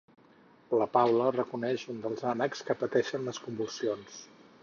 La Paula reconeix un dels ànecs que pateixen les convulsions.